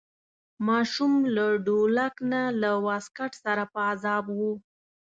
ماشوم له ډولک نه له واسکټ سره په عذاب و.